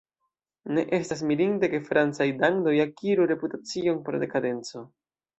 Ne estas mirinde, ke francaj dandoj akiru reputacion pro dekadenco.